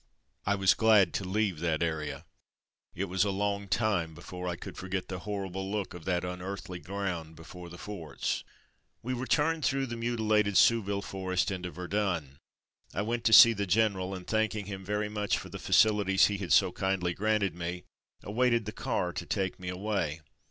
I was glad to leave that area. It was a long time before I could forget the horrible look of that unearthly ground before the forts. We returned through the mutilated Sou ville forest into Verdun — I went to see the general, and, thanking him very much for the facilities he had so kindly granted me, awaited the car to take me away.